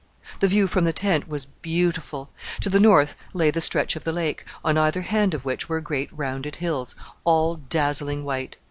The view from the tent was beautiful. To the north lay the stretch of the lake, on either hand of which were great rounded hills all dazzling white.